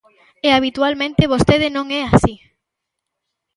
E habitualmente vostede non é así.